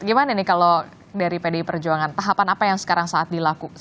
gimana nih kalau dari pdi perjuangan tahapan apa yang sekarang saat dilakukan